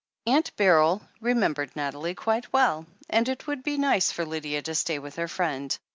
Aunt Beryl remembered Nathalie quite well, and it would be nice for Lydia to stay with her friend.